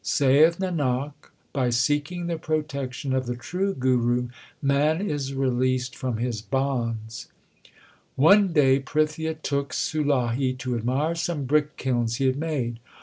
Saith Nanak, by seeking the protection of the true Guru man is released from his bonds. 1 One day Prithia took Sulahi to admire some brick kilns he had made.